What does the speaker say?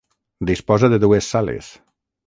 Disposa de dues sales.